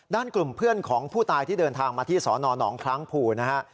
กลุ่มเพื่อนของผู้ตายที่เดินทางมาที่สนหนองคล้างภูนะฮะ